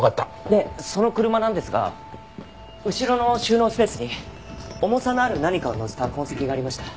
でその車なんですが後ろの収納スペースに重さのある何かを載せた痕跡がありました。